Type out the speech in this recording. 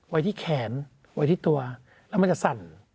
ไว้ที่แขนไว้ที่ตัวแล้วมันจะสั่น